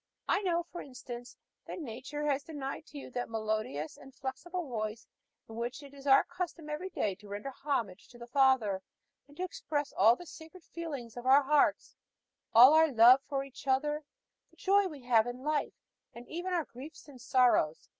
I know, for instance, that nature has denied to you that melodious and flexible voice in which it is our custom every day to render homage to the Father, to express all the sacred feelings of our hearts, all our love for each other, the joy we have in life, and even our griefs and sorrows.